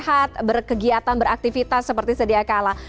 sehat berkegiatan beraktivitas seperti sedia kala